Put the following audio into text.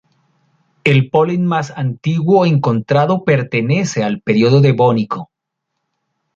El polen más antiguo encontrado pertenece al período Devónico.